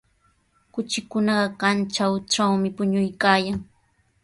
Kuchikunaqa kanchantrawmi puñuykaayan.